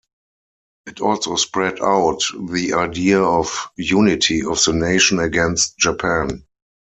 It also spread out the idea of unity of the nation against Japan.